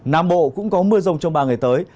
nam bộ cũng có mưa rông trong ba ngày tới